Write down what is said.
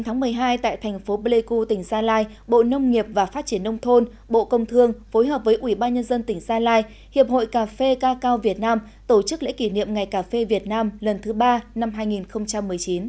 ngày một mươi hai tại thành phố pleiku tỉnh gia lai bộ nông nghiệp và phát triển nông thôn bộ công thương phối hợp với ủy ban nhân dân tỉnh gia lai hiệp hội cà phê ca cao việt nam tổ chức lễ kỷ niệm ngày cà phê việt nam lần thứ ba năm hai nghìn một mươi chín